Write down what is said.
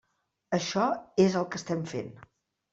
Això és el que estem fent.